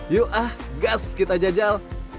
yuk ah gas kita jajal